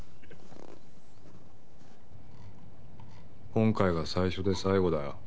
今回が最初で最後だよ。